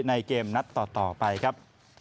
ในเกมนัดต่อไปครับ